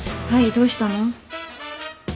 どうしたの？